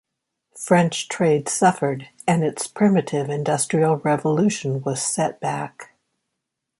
French trade suffered, and its primitive industrial revolution was set back.